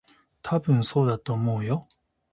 たぶん、そうだと思うよ。